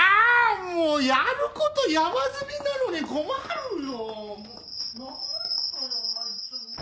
もうやること山積みなのに困るよ！